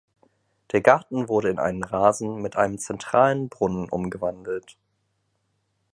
Der Garten wurde in einen Rasen mit einem zentralen Brunnen umgewandelt.